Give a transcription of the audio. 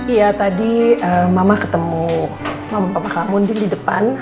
iya tadi mama ketemu mama papa kamu di depan